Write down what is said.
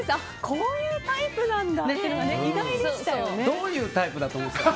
こういうタイプなんだどういうタイプだと思ってたの。